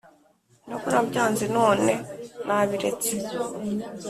Ndabona byanze none nabiretse